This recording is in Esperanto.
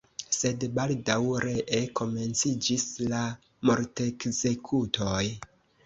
Sed baldaŭ ree komenciĝis la mortekzekutoj.